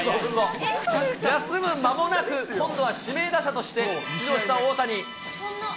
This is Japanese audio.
休む間もなく、今度は指名打者として出場した大谷。